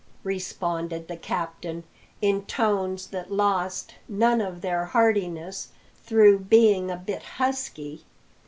responded the captain, in tones that lost none of their heartiness through being a bit husky.